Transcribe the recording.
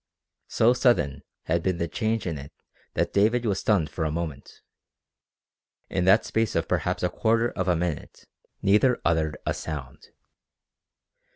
So sudden had been the change in it that David was stunned for a moment. In that space of perhaps a quarter of a minute neither uttered a sound.